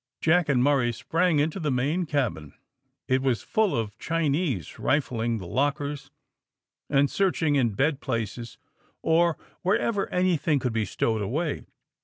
Jack and Murray sprang into the main cabin. It was full of Chinese rifling the lockers and searching in bed places or wherever anything could be stowed away.